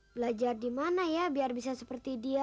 belajar di mana ya biar bisa seperti dia